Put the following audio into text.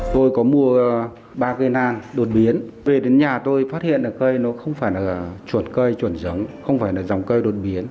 tôi có mua ba cây lan đột biến về đến nhà tôi phát hiện cây nó không phải là chuột cây chuột giống không phải là dòng cây đột biến